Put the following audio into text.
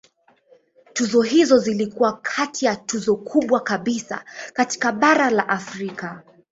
Tuzo hizo zilikuwa kati ya tuzo kubwa kabisa katika bara la Afrika.